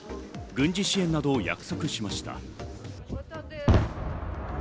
軍事支援などを約束しました。